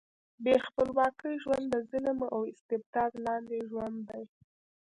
بې خپلواکۍ ژوند د ظلم او استبداد لاندې ژوند دی.